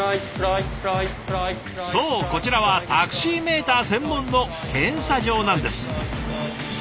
そうこちらはタクシーメーター専門の検査場なんです。